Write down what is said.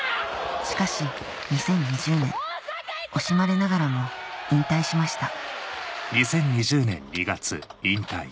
しかし２０２０年惜しまれながらも引退しました